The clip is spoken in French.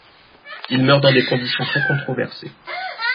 Il meurt dans des conditions très controversées.